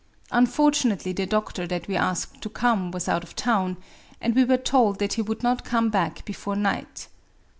Un fortunately the doctor that we asked to come was out of town i and we were told that he would not come back be fore night.